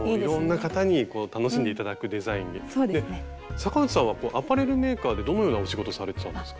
坂内さんはアパレルメーカーでどのようなお仕事されてたんですか？